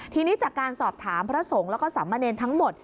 ทีนี้จากการสอบถามพระสงฆ์แล้วก็สามเณรทั้งหมด